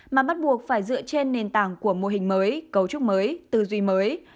mà bắt buộc phải dựa trên nền tảng của mô hình mới cấu trúc mới tư duy mới